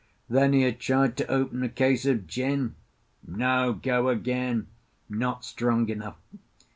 Then he had tried to open a case of gin. No go again: not strong enough.